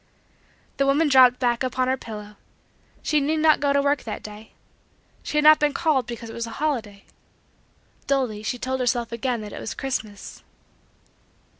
The woman dropped back upon her pillow. She need not go to work that day. She had not been called because it was a holiday. Dully she told herself again that it was Christmas.